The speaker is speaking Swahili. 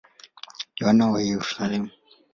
Yohane wa Yerusalemu.